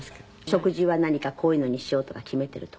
食事は何かこういうのにしようとか決めてるとか。